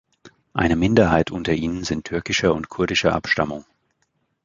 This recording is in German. Eine Minderheit unter ihnen sind türkischer und kurdischer Abstammung.